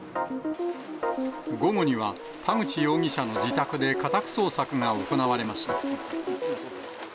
午後には、田口容疑者の自宅で家宅捜索が行われました。